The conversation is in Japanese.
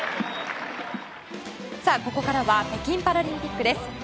ここからは北京パラリンピックです。